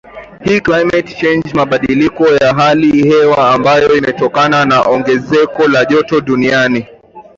hii climate change mabadiliko ya hali hewa ambayo yametokana na ongezeko la joto duniani